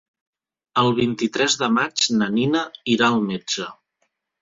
El vint-i-tres de maig na Nina irà al metge.